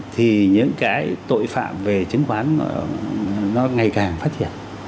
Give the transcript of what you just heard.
thì những cái tội phạm về chứng khoán nó ngày càng phát triển